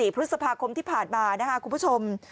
พฤษภาคมที่ผ่านมานะครับคุณผู้ชม